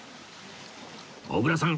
小倉さん